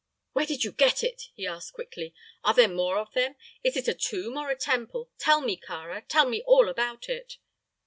"Where did you get it?" he asked, quickly. "Are there more of them? Is it a tomb or a temple? Tell me, Kāra, tell me all about it."